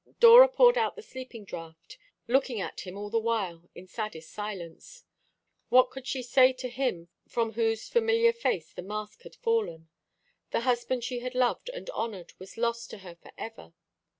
Dora poured out the sleeping draught, looking at him all the while in saddest silence. What could she say to him from whose familiar face the mask had fallen? The husband she had loved and honoured was lost to her for ever.